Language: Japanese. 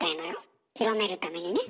広めるためにね。